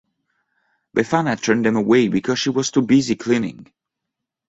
Befana turned them away because she was too busy cleaning.